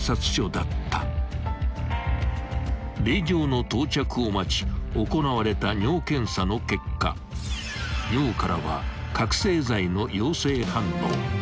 ［令状の到着を待ち行われた尿検査の結果尿からは覚醒剤の陽性反応］